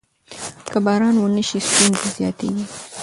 که باران ونه شي ستونزې زیاتېږي.